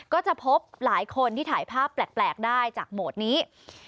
ก็จะพบหลายคนที่ถ่ายภาพแปลกได้จากโหมดนี้